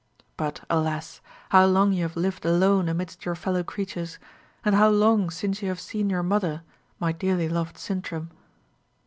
But, alas! how long you have lived alone amidst your fellow creatures! and how long since you have seen your mother, my dearly loved Sintram!"